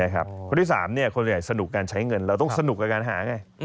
คนที่๓คนส่วนใหญ่สนุกการใช้เงินเราต้องสนุกกับการหาไง